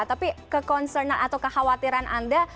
tapi kekonsernan atau kekhawatiran anda